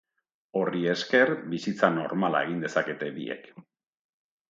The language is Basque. Horri esker, bizitza normala egin dezakete biek.